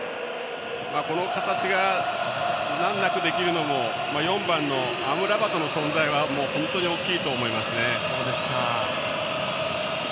この形が難なくできるのも４番のアムラバトの存在は本当に大きいと思いますね。